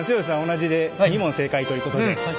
同じで２問正解ということで。